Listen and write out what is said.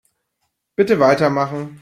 Bitte weitermachen.